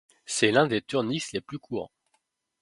C'est l'un des turnix les plus courants.